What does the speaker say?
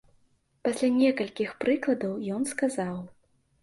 Пасля некалькіх прыкладаў, ён сказаў.